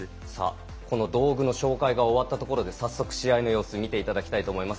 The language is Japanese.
この道具の紹介が終わったところで、早速試合の様子見ていただきたいと思います。